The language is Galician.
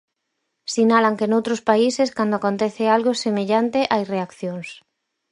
Sinalan que noutros países cando acontece algo semellante hai reaccións.